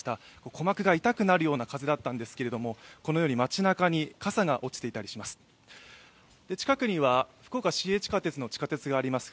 鼓膜が痛くなるような風だったんですがこのように街中に傘が落ちていたりします。